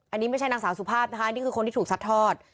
อันนี้ไม่ใช่นางสาวสุภาพนะคะนี่คือคนที่ถูกซัดทอด